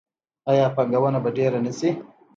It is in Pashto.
آیا پانګونه به ډیره نشي؟